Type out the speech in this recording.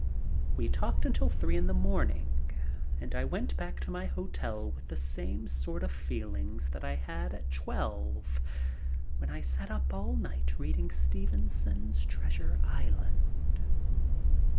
We talked until three in the morning and I went back to my hotel with the same sort of feelings that I had at twelve when I sat up all night reading Stevenson's Treasure Island.